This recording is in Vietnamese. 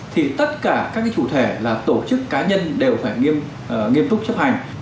thì tất cả các chủ thể là tổ chức cá nhân đều phải nghiêm túc chấp hành